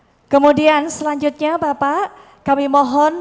dan kemudian selanjutnya bapak kami mohon